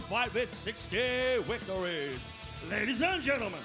สวัสดีครับทุกคน